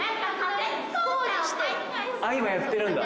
今やってるんだ？